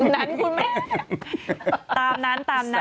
ตามนั้นคุณแม่ตามนั้น